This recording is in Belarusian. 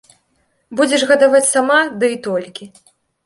Будзеш гадаваць сама, ды і толькі.